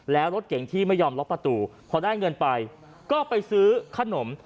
แล้วรถเก่งที่ไม่ยอมล็อกประตูพอได้เงินไปก็ไปซื้อขนม